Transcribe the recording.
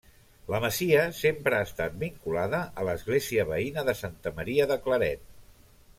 La masia sempre ha estat vinculada a l'església veïna de Santa Maria de Claret.